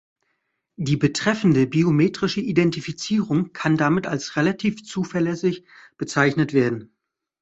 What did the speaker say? Die betreffende biometrische Identifizierung kann damit als relativ zuverlässig bezeichnet werden.